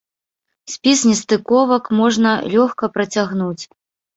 Спіс нестыковак можна лёгка працягнуць.